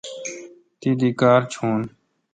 تی دی کار چیون۔